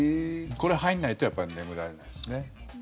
これ、入らないとやっぱり眠られないですね。